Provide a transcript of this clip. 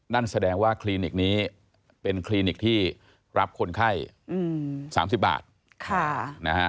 นั่นแสดงว่าคลินิกนี้เป็นคลินิกที่รับคนไข้๓๐บาท